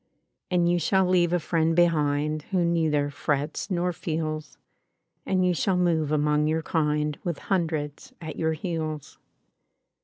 |103| ''And you shall leave a friend behind Who neither frets nor feels; And you shall mov£ among your kind With hundreds at your heels.